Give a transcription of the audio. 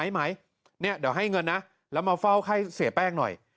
ไหมเนี่ยเดี๋ยวให้เงินนะแล้วมาเฝ้าไข้เสียแป้งหน่อย